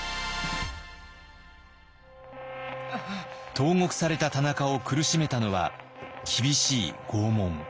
投獄された田中を苦しめたのは厳しい拷問。